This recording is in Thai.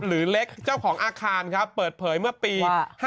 หรือเล็กเจ้าของอาคารครับเปิดเผยเมื่อปี๕๗